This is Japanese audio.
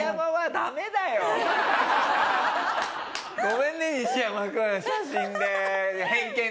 ごめんね！